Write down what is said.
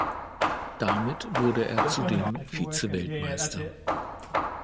Damit wurde er zudem Vizeweltmeister.